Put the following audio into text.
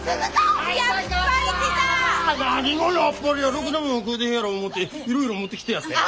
ろくなもん食うてへんやろ思うていろいろ持ってきてやったんや。